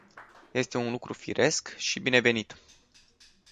Este un lucru firesc și binevenit.